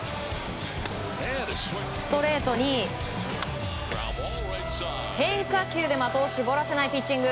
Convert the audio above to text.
ストレートに変化球で的を絞らせないピッチング。